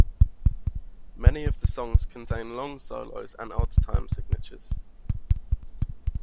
Many of the songs contain long solos and odd time signatures.